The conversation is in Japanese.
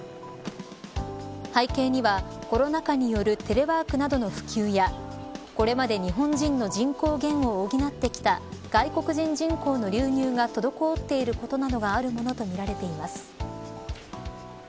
背景には、コロナ禍などによるテレワークなどの普及やこれまで日本人の人口減を補ってきた外国人人口の流入が滞っていることなどがあるものとみられています。